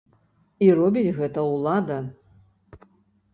І робіць гэта ўлада.